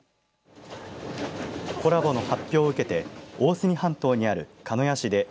コラボの発表を受けて大隅半島にある鹿屋市でＰＲ